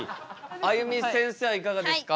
あゆみせんせいはいかがですか？